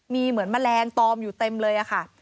มีเหมือนแมลงตอมอยู่เต็มเลยค่ะ